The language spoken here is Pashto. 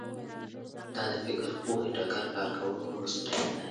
دا د فکر پوهې ډګر کارکوونکو مسوولیت دی